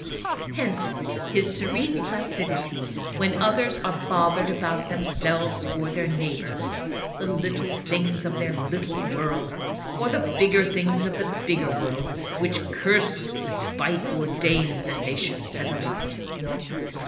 Hence his serene placidity when others are bothered about themselves or their neighbors, the little things of their little world, or the bigger things of the bigger world, which cursed spite ordained that they should set aright.